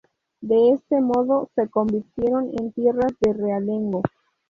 De este modo, se convirtieron en tierras de realengo.